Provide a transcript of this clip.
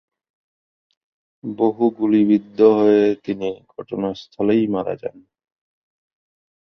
বহু গুলিবিদ্ধ হয়ে তিনি ঘটনাস্থলেই মারা যান।